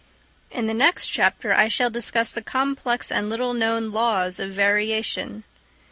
In the next chapter I shall discuss the complex and little known laws of variation.